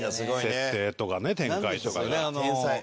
設定とかね展開とかね。